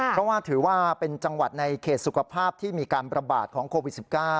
เพราะว่าถือว่าเป็นจังหวัดในเขตสุขภาพที่มีการประบาดของโควิด๑๙